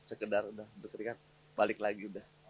sekedar udah berkeringat balik lagi udah